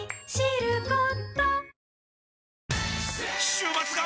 週末が！！